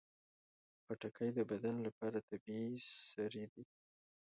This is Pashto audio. خټکی د بدن لپاره طبیعي سري دي.